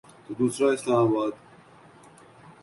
تو دوسرا اسلام آباد۔